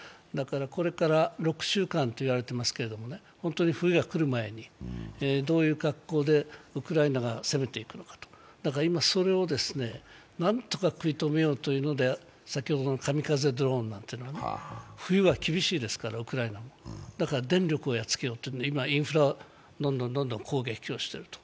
これから６週間と言われていますけれども、本当に冬が来るまでにどういう格好でウクライナが攻めていくのかだから今、それを何とか食い止めようというのでカミカゼドローンなんていうのは冬は厳しいですから、ウクライナはだから電力をやっつけようと今、インフラをどんどん攻撃をしていると。